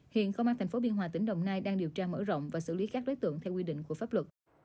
hiện công an tp biên hòa tỉnh đồng nai đang điều tra mở rộng và xử lý các đối tượng theo quy định của pháp luật